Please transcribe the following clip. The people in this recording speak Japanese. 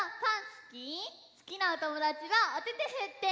すきなおともだちはおててふって！